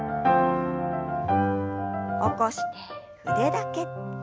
起こして腕だけ。